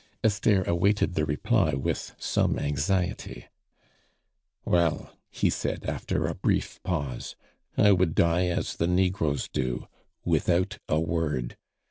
Esther awaited the reply with some anxiety. "Well," he said after a brief pause, "I would die as the Negroes do without a word.